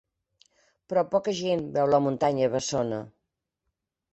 Però poca gent veu la muntanya bessona.